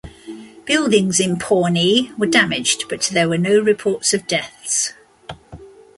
Buildings in Pawnee were damaged, but there were no reports of deaths.